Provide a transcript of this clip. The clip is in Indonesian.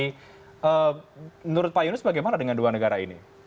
menurut pak yunus bagaimana dengan dua negara ini